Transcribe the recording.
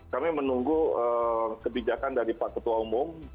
kami menunggu kebijakan dari pak ketua umum